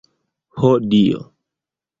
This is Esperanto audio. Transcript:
Ho, Dio!